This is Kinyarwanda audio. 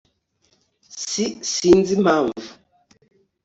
s sinzi impamvu